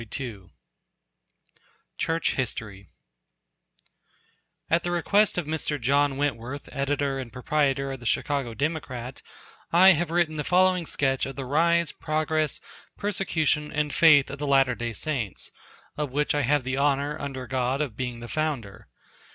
3 pp 706 710 CHURCH HISTORY At the request of Mr. John Wentworth, Editor, and Proprietor of the "Chicago Democrat," I have written the following sketch of the rise, progress, persecution, and faith of the Latter Day Saints, of which I have the honor, under God, of being the founder.